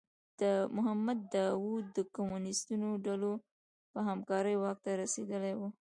محمد داوود د کمونیستو ډلو په همکارۍ واک ته رسېدلی و.